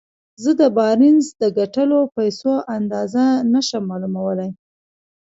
زه د بارنس د ګټلو پيسو اندازه نه شم معلومولای.